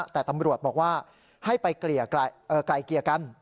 แต่ตำรวจบอกว่าให้ไปไกลเกลี่ยกัน